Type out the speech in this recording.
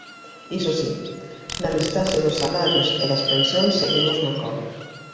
Iso si, na listaxe dos salarios e das pensións seguimos na cola.